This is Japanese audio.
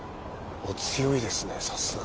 お強いですねさすが。